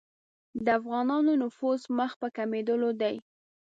د افغانانو نفوذ مخ په کمېدلو دی.